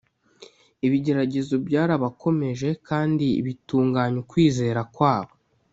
ibigeragezo byarabakomeje kandi bitunganya ukwizera kwabo